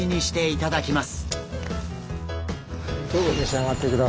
頂きます。